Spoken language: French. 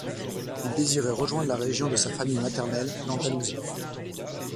Il désirait rejoindre la région de sa famille maternelle, l’Andalousie.